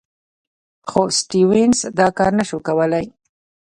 خو سټیونز دا کار نه شو کولای.